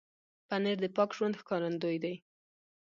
پنېر د پاک ژوند ښکارندوی دی.